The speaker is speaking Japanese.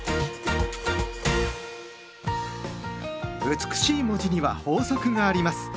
美しい文字には法則があります。